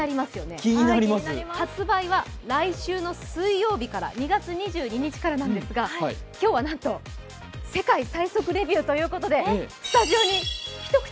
発売は来週の水曜日から、２月２２日からなんですが今日はなんと世界最速レビューということでスタジオにひとくち